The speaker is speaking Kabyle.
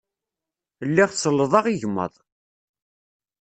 Lliɣ sellḍeɣ igmaḍ.